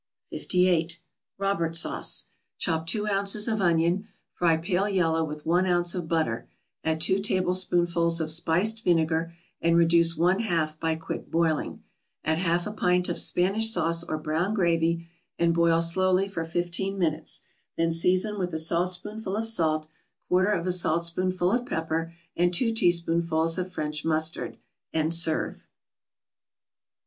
58. =Robert Sauce.= Chop two ounces of onion, fry pale yellow with one ounce of butter, add two tablespoonfuls of spiced vinegar, and reduce one half by quick boiling; add half a pint of Spanish sauce, or brown gravy, and boil slowly for fifteen minutes; then season with a saltspoonful of salt, quarter of a saltspoonful of pepper, and two teaspoonfuls of French mustard, and serve.